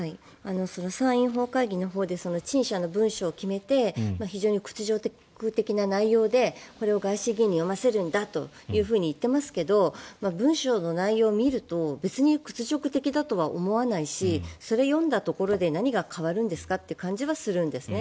参院本会議のほうで陳謝の文章を決めて非常に屈辱的な内容でこれをガーシー議員に読ませるんだと言っていますけど文章の内容を見ると別に屈辱的だとは思わないしそれを読んだところで何が変わるんですかという感じはするんですね。